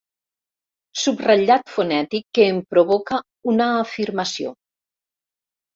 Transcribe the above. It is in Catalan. Subratllat fonètic que em provoca una afirmació.